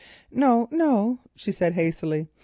"No, no," she said hastily.